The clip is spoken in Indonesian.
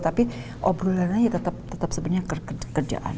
tapi obrolannya tetap sebenarnya